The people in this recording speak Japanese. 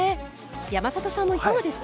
山里さんもいかがですか？